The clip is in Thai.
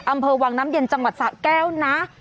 อำเภอวังน้ำเย็นจังหวัดสะแก้วนะ